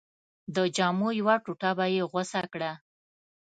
د جامو یوه ټوټه به یې غوڅه کړه.